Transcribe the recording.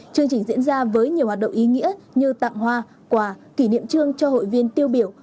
chương trình diễn ra với nhiều hoạt động ý nghĩa như tặng hoa quà kỷ niệm trương cho hội viên tiêu biểu